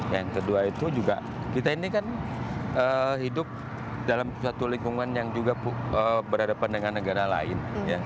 yang kedua itu juga kita ini kan hidup dalam suatu lingkungan yang juga berhadapan dengan negara lain